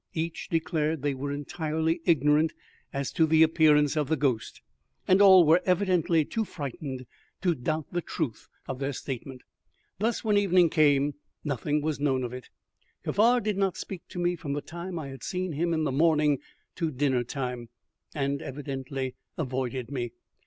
Each declared that they were entirely ignorant as to the appearance of the ghost, and all were evidently too frightened to doubt the truth of their statement. Thus when evening came nothing was known of it. Kaffar did not speak to me from the time I had seen him in the morning to dinner time, and evidently avoided me.